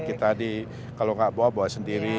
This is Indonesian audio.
kita di kalau nggak buang buang sendiri